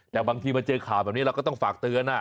แต่บางทีมาเจอข่าวแบบนี้เราก็ต้องฝากเตือน